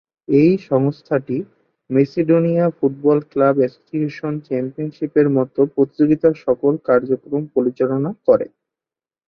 এই সংস্থাটি Macedonia football club association চ্যাম্পিয়নশিপের মতো প্রতিযোগিতার সকল কার্যক্রম পরিচালনা করে।